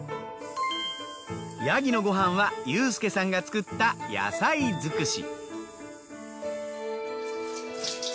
ヤギのご飯は祐介さんが作った野菜づくし。